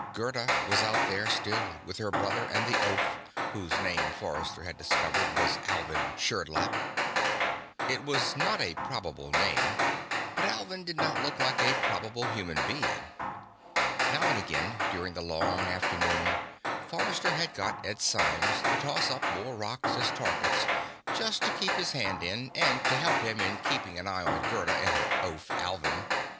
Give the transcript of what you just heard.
Gerda was out there still, with her brother and the oaf whose name, Forrester had discovered, was Alvin Sherdlap. It was not a probable name, but Alvin did not look like a probable human being. Now and again during the long afternoon, Forrester had got Ed Symes to toss up more rocks as targets, just to keep his hand in and to help him in keeping an eye on Gerda and her oaf, Alvin.